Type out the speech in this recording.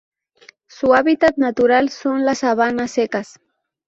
Su hábitat natural son las sabanas secas.